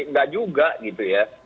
enggak juga gitu ya